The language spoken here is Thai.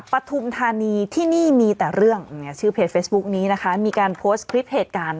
ปฐุมธานีที่นี่มีแต่เรื่องชื่อเพจเฟซบุ๊คนี้นะคะมีการโพสต์คลิปเหตุการณ์